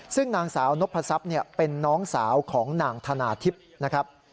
ซึ่งนางสาวนพศัพย์เป็นน้องสาวของนางธนาทิพย์นะครับ